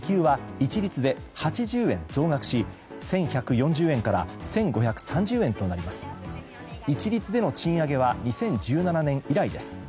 一律での賃上げは２０１７年以来です。